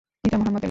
পিতা মোহাম্মদ আলি।